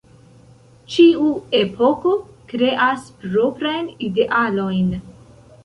Ĉiu epoko kreas proprajn idealojn.